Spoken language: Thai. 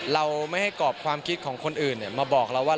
เราไม่ให้กรอบความคิดของคนอื่นมาบอกเราว่า